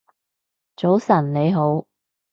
早晨你好